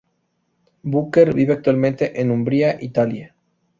Booker vive actualmente en Umbría, Italia.